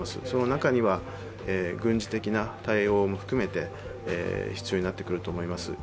その中には軍事的な対応も含めて必要になってくると思います。